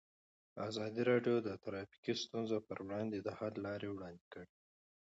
ازادي راډیو د ټرافیکي ستونزې پر وړاندې د حل لارې وړاندې کړي.